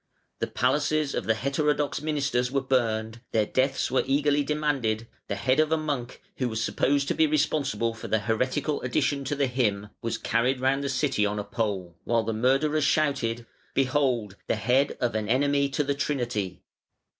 The palaces of the heterodox ministers were burned, their deaths were eagerly demanded, the head of a monk, who was supposed to be responsible for the heretical addition to the hymn, was carried round the city on a pole, while the murderers shouted: "Behold the head of an enemy to the Trinity!"